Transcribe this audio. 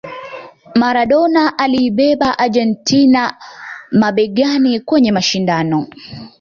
Maradona aliibeba Argentina mabegani kwenye mashindano